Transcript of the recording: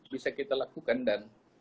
bisa kita lakukan dan